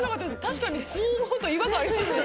確かにそう思うと違和感ありますね